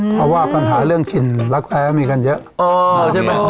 เพราะว่าปัญหาเรื่องถิ่นรักแท้มีกันเยอะใช่ไหม